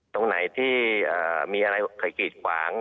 ตรงไหนที่มีอะไรเคยกีดขวาง